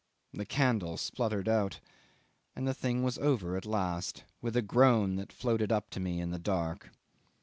The candle spluttered out, and the thing was over at last, with a groan that floated up to me in the dark.